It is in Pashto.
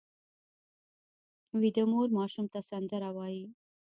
ویده مور ماشوم ته سندره وایي